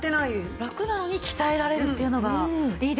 ラクなのに鍛えられるっていうのがいいですね。